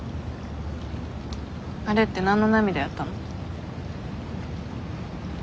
あれって何の涙やったの？